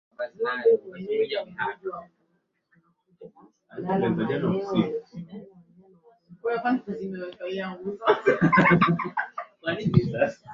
Ninawasihi kujizuia na kujiepusha na vitendo vya uchokozi, pamoja na uhamasishaji wa nguvu aliandika kwenye Kampuni ya mawasiliano ya Marekani siku ya Alhamis